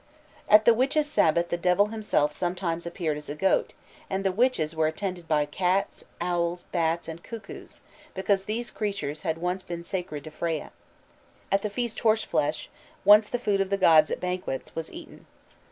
At the witches' Sabbath the Devil himself sometimes appeared as a goat, and the witches were attended by cats, owls, bats, and cuckoos, because these creatures had once been sacred to Freya. At the feast horse flesh, once the food of the gods at banquets, was eaten.